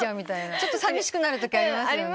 ちょっとさみしくなるときありますよね？